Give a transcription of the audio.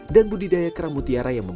dan budidaya kerang mutiara yang sangat lama